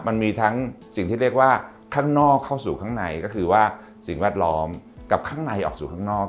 มันมีทั้งสิ่งที่เรียกว่าข้างนอกเข้าสู่ข้างในก็คือว่าสิ่งแวดล้อมกับข้างในออกสู่ข้างนอก